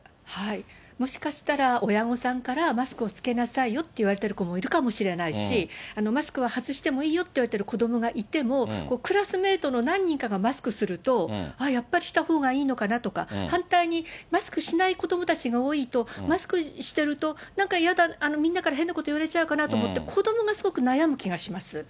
もしかしたら、親御さんからマスクをつけなさいよと言われている子もいるかもしれないし、マスクは外してもいいよって言われている子どもがいても、クラスメートの何人かがマスクすると、ああ、やっぱりしたほうがいいのかなとか、反対にマスクしない子どもたちが多いと、マスクしてるとなんかみんなから変なこと言われちゃうかなと思って、子どもがすごく悩む気がします。